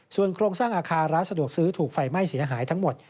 ส่วนโครงสร้างอาคารร้านสะดวกซื้อถูกไฟไหม้เสียหายทั้งหมด